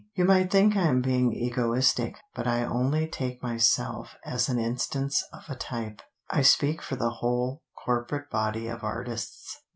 You might think I am being egoistic, but I only take myself as an instance of a type. I speak for the whole corporate body of artists."